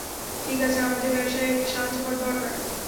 ঠিক আছে, আমাদের ব্যবসায়ে একটা সাহায্য দরকার।